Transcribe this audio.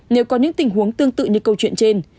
nếu có những tình huống tương tự như câu chuyện trên